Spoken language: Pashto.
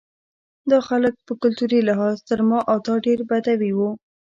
دا خلک په کلتوري لحاظ تر ما او تا ډېر بدوي وو.